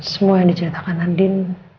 semua yang diceritakan andin